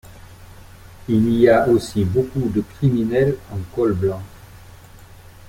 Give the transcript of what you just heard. Il y a aussi beaucoup de criminels en col blanc.